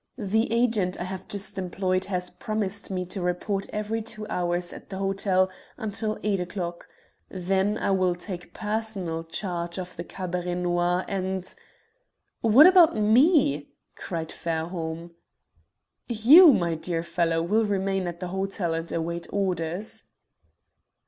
The agent I have just employed has promised me to report every two hours at the hotel until eight o'clock. Then I will take personal charge of the Cabaret Noir, and " "What about me?" cried Fairholme. "You, my dear fellow, will remain at the hotel and await orders."